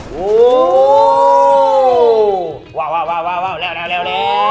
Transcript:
โห้ววววแล้ว